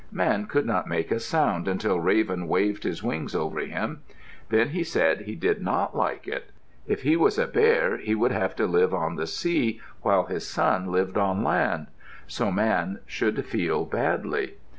Man could not make a sound until Raven waved his wings over him. Then he said he did not like it; if he was a bear he would have to live on the sea, while his son lived on land; so Man should feel badly.